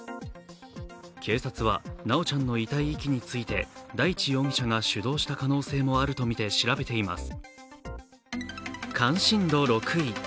警察は修ちゃんの遺体遺棄について大地容疑者が主導した可能性もあるとみて、調べています。